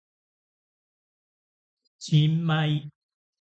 新米